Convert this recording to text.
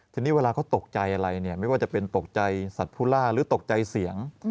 ทีนี้เวลาเขาตกใจอะไรเนี่ยไม่ว่าจะเป็นตกใจสัตว์ผู้ล่าหรือตกใจเสียง